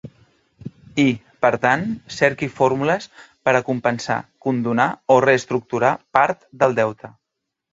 I, per tant, cerqui fórmules per a compensar, condonar o reestructurar part del deute.